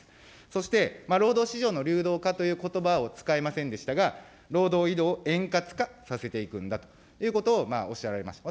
そして、労働市場の流動化ということばを使いませんでしたが、労働移動円滑化させていくんだということをおっしゃられました。